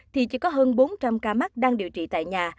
thì chỉ có hơn bốn trăm linh ca mắc đang điều trị tại nhà